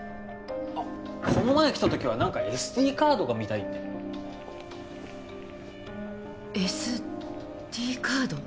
あっこの前来たときは何かＳＤカードが見たいってＳＤカード？